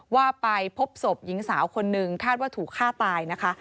ว่าไปพบศพหญิงสาวคนนึงคาดว่าถูกฆ่าตายนะคะ